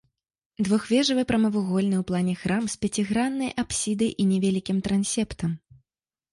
Двухвежавы прамавугольны ў плане храм з пяціграннай апсідай і невялікім трансептам.